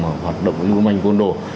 mà hoạt động lưu manh quân độ